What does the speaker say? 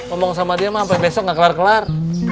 ngomong sama dia mah sampai besok gak kelar kelar